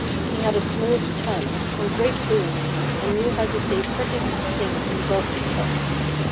He had a smooth tongue and great fluency, and knew how to say pretty things in dulcet tones.